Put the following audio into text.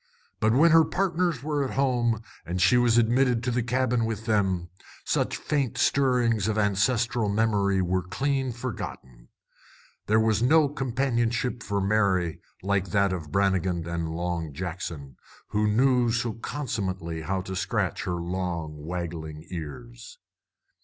But when her partners were at home, and she was admitted to the cabin with them, such faint stirrings of ancestral memory were clean forgotten. There was no companionship for Mary like that of Brannigan and Long Jackson, who knew so consummately how to scratch her long, waggling ears.